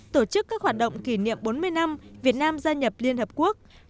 tổ chức các hoạt động kỷ niệm bốn mươi năm việt nam gia nhập liên hợp quốc